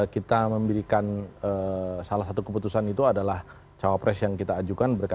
kita memberikan salah satu keputusan itu adalah cawa pres yang kita ajukan berkat p tiga